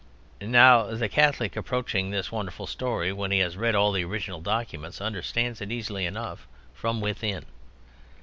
Now the Catholic approaching this wonderful story, when he has read all the original documents, understands it easily enough from within.